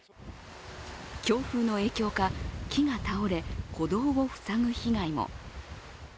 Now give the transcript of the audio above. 強風の影響か、木が倒れ歩道を塞ぐ被害も。